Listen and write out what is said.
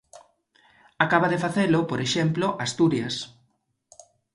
Acaba de facelo, por exemplo, Asturias.